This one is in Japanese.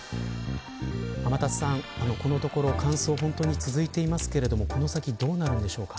天達さん、このところ乾燥が続いていますけれどこの先どうなるんでしょうか。